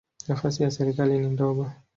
Nafasi ya serikali ni ndogo.